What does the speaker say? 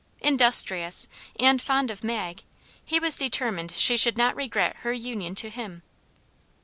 Industrious, and fond of Mag, he was determined she should not regret her union to him.